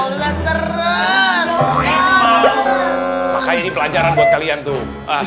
makanya ini pelajaran buat kalian tuh